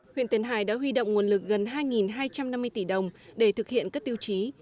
huyện tiền hải đã huy động nguồn lực gần hai hai trăm năm mươi tỷ đồng để thực hiện các tiêu chí